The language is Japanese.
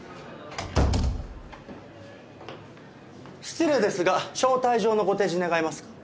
失礼ですが招待状のご提示願えますか？